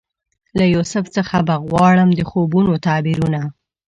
له یوسف څخه به غواړم د خوبونو تعبیرونه